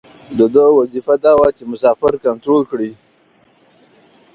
د ده وظیفه دا وه چې مسافر کنترول کړي.